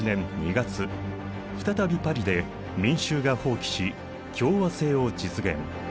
再びパリで民衆が蜂起し共和政を実現。